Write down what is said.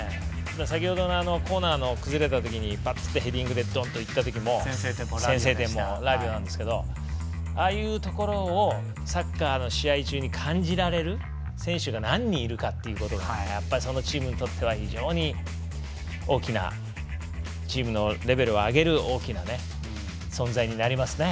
先ほどのコーナーの崩れた時にヘディングでいった先制点もラビオなんですけどああいうところをサッカーの試合中に感じられる選手が何人いるかっていうことがそのチームにとっては非常に大きなチームのレベルを上げる大きな存在になりますね。